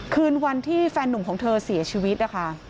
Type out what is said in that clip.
คืนวันที่แฟนหนุ่มของเธอเสียชีวิตนะคะ